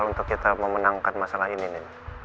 untuk kita memenangkan masalah ini nih